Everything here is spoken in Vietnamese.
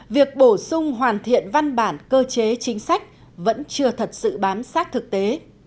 việc bổ sung hoàn thiện văn bản cơ chế chính sách vẫn chưa thật sự bám sát thực tế